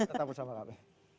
tetap bersama kami